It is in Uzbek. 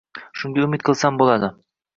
Shunga umid qilsam bo‘ladi.